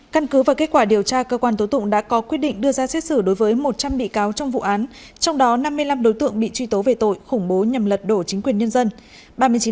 căn cứ và kết quả điều tra cơ quan tố tụng đã có quyết định đưa ra xét xử đối với một trăm linh bị cáo trong vụ án trong đó năm mươi năm đối tượng bị truy tố về tội khủng bố nhằm lật đổ chính quyền nhân dân